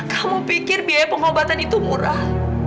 kamu pikir biaya pengobatan itu murah